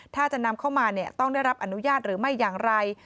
ถ้าจะนำเข้ามาต้องได้รับอนุญาตหรือไม่อย่างไร